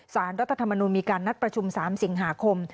สารรัฐธรรมนุนมีการนัดประชุม๓สิงหาคม